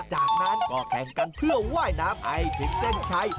จากนั้นก็แข่งกันเพื่อว่ายน้ำไอถึงเส้นชัย